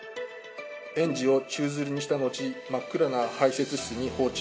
園児を宙づりにしたのち、真っ暗な排せつ室に放置。